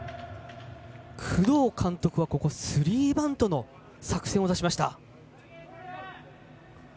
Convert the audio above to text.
工藤監督はスリーバントの作戦を出しました。